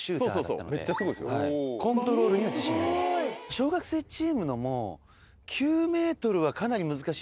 小学生チームのも。